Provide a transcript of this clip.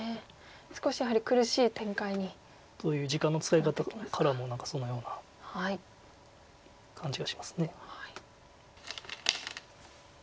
少しやはり苦しい展開に。という時間の使い方からも何かそのような感じがします。